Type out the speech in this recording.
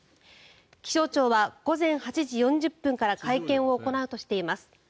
気象庁は午前８時４０分から会見を行うとしています。